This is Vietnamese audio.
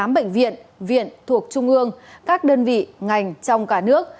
một mươi tám bệnh viện viện thuộc trung ương các đơn vị ngành trong cả nước